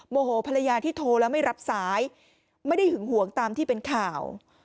โมโหภรรยาที่โทรแล้วไม่รับสายไม่ได้หึงหวงตามที่เป็นข่าว